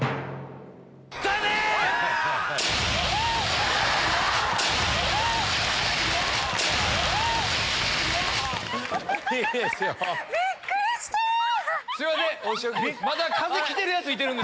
すいません！